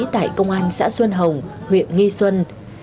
tại công an xã xuân hồng huyện nghi xuân